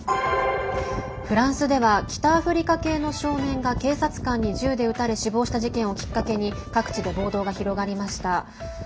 フランスでは北アフリカ系の少年が警察官に銃で撃たれ死亡した事件をきっかけに各地で暴動が広がりました。